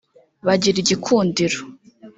bagira igikundiro